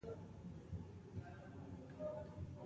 د پراخ بنسټه سیاسي ادارو شتون د زیان سبب نه شو.